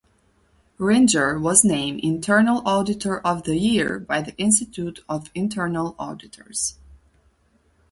Ringer was named "Internal Auditor of the Year" by the Institute of Internal Auditors.